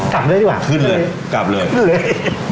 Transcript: กลับเลยดีกว่าเลยขึ้นเลยขึ้นเลยขึ้นเลยขึ้นเลยขึ้นเลย